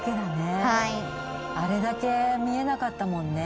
あれだけ見えなかったもんね。